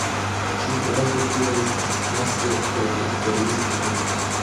Ĉu prave, tio estas tasko por historiistoj.